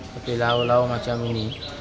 seperti lau lau macam ini